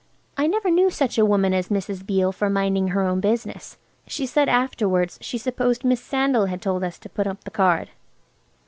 I never knew such a woman as Mrs. Beale for minding her own business. She said afterwards she supposed Miss Sandal had told us to put up the card.